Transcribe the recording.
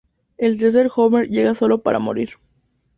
El tercer Homer llega sólo para morir.